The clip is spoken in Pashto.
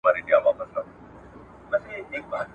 تاسي یې وګوری چي له هغه څخه څه راباسی `